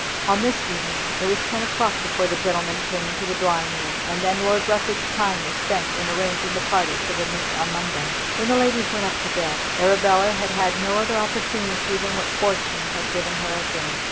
On this evening it was ten o'clock before the gentlemen came into the drawing room, and then Lord Rufford's time was spent in arranging the party for the meet on Monday. When the ladies went up to bed Arabella had had no other opportunity than what Fortune had given her at dinner.